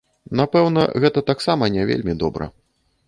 Напэўна, гэта таксама не вельмі добра.